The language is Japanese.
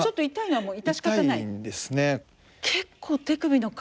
はい。